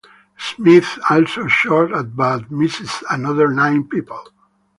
Smith also shot at but missed another nine people.